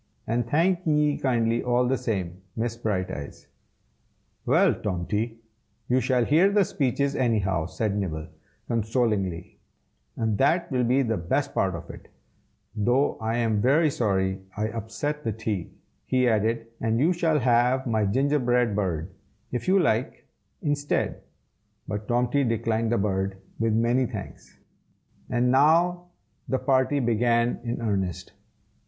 And thank ye kindly all the same, Miss Brighteyes." "Well, Tomty, you shall hear the speeches, anyhow," said Nibble, consolingly, "and that will be the best part of it; though I am very sorry I upset the tea," he added, "and you shall have my gingerbread bird, if you like, instead." But Tomty declined the bird, with many thanks; and now the "party" began in earnest.